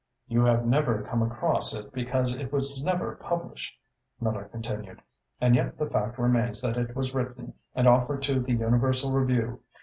"You have never come across it because it was never published," Miller continued, "and yet the fact remains that it was written and offered to the Universal Review.